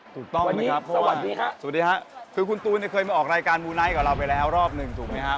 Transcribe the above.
ถูกต้องนะครับสวัสดีครับสวัสดีครับคือคุณตูนเนี่ยเคยมาออกรายการมูไนท์กับเราไปแล้วรอบหนึ่งถูกไหมครับ